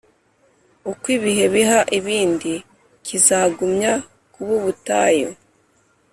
uko ibihe biha ibindi, kizagumya kuba ubutayu,